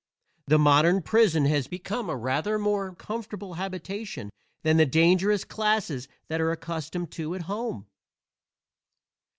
The modern prison has become a rather more comfortable habitation than the dangerous classes are accustomed to at home.